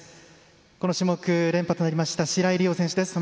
この種目、連覇となりました白井璃緒選手です。